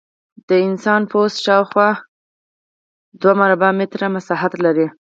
د انسان پوست شاوخوا دوه مربع متره مساحت لري.